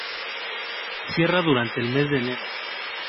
Cierra durante el mes de enero.